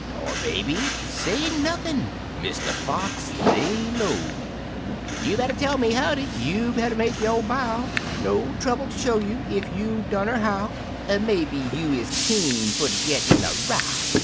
Tar Baby say nothin' — Mr. Fox lay lowl "You better tell me howdy! you better make yo" bow! No trouble ter show you ef you dunner how — Er maybe you er keen fer ter git in a row ?